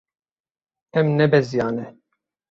Em nebeziyane.